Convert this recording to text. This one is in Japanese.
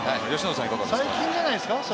最近じゃないですか？